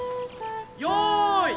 よい。